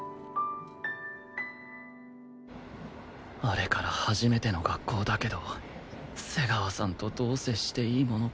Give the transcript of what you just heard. あれから初めての学校だけど瀬川さんとどう接していいものか